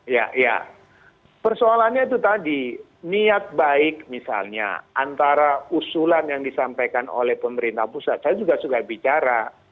ya ya persoalannya itu tadi niat baik misalnya antara usulan yang disampaikan oleh pemerintah pusat saya juga suka bicara